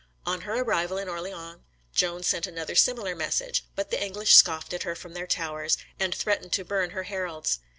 On her arrival in Orleans, Joan sent another similar message; but the English scoffed at her from their towers, and threatened to burn her heralds.